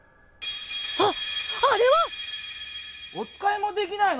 ああれは⁉おつかいもできないの？